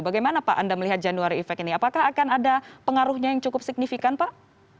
bagaimana pak anda melihat january effect ini apakah akan ada pengaruhnya yang cukup signifikan pak